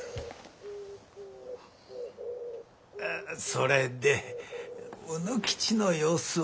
それで卯之吉の様子は？